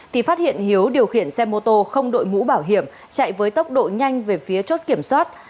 thì phát hiện hiếu điều khiển xe mô tô không đội mũ bảo hiểm chạy với tốc độ nhanh về phía chốt kiểm soát